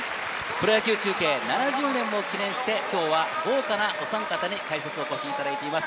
プロ野球７０周年を記念して、今回は豪華お３方に解説にお越しいただきます。